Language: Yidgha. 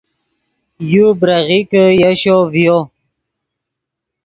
یو بریغیکے یشو ڤیو